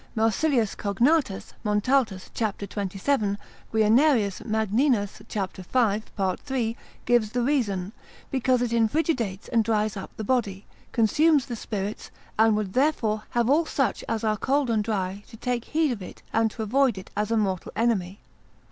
Marsilius Cognatus, Montaltus, cap. 27. Guianerius, Tract. 3. cap. 2. Magninus, cap. 5. part. 3. gives the reason, because it infrigidates and dries up the body, consumes the spirits; and would therefore have all such as are cold and dry to take heed of and to avoid it as a mortal enemy.